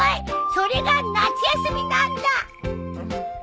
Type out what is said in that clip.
それが夏休みなんだ！